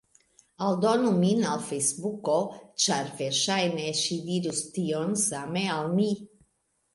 Aldonu min al Fejsbuko! ĉar verŝajne ŝi dirus tion same, al mi.